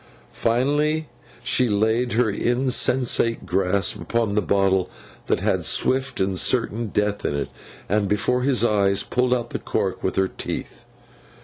Finally, she laid her insensate grasp upon the bottle that had swift and certain death in it, and, before his eyes, pulled out the cork with her teeth.